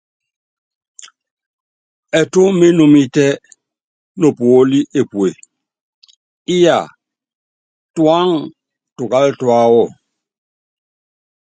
Ɛtú mínúmítɛ nopuóli epue, iyá, tuáŋtukal tuáwɔ!